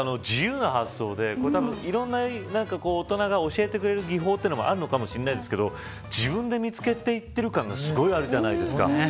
自由な発想でいろんな大人が教えてくれる技法というのはあるのかもしれませんが自分で見つけていっている感がすごいあるじゃないですか。